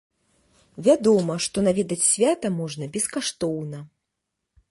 Вядома, што наведаць свята можна бескаштоўна.